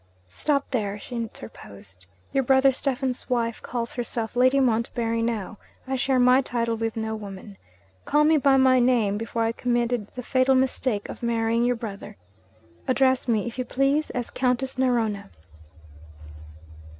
'Stop there!' she interposed. 'Your brother Stephen's wife calls herself Lady Montbarry now. I share my title with no woman. Call me by my name before I committed the fatal mistake of marrying your brother. Address me, if you please, as Countess Narona.'